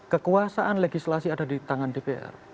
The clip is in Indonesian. kekuasaan legislasi ada di tangan dpr